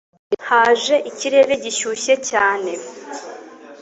haje ikirere gishyushyecyane